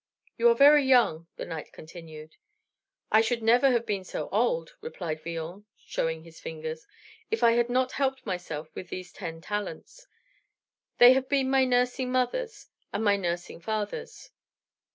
"You are very young," the knight continued. "I should never have been so old," replied Villon; showing his fingers, "if I had not helped myself with these ten talents. They have been my nursing mothers and my nursing fathers."